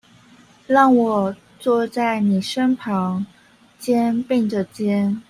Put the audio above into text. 讓我坐在妳身旁，肩並著肩